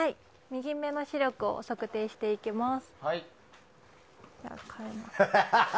右目の視力を測定していきます。